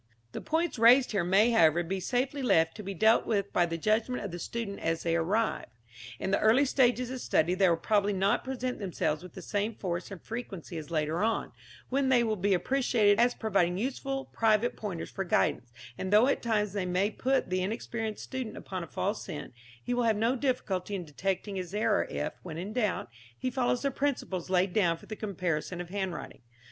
The points raised here may, however, be safely left to be dealt with by the judgment of the student as they arise. In the early stages of study they will probably not present themselves with the same force and frequency as later on, when they will be appreciated as providing useful private pointers for guidance; and though at times they may put the inexperienced student upon a false scent, he will have no difficulty in detecting his error if, when in doubt, he follows the principles laid down for the comparison of handwriting.